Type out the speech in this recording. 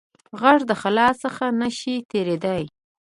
غږ د خلا څخه نه شي تېرېدای.